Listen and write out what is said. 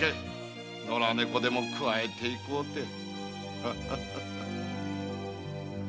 ノラ猫でもくわえて行こうて。